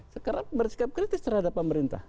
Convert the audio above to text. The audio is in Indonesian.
sekarang bersikap kritis terhadap pemerintah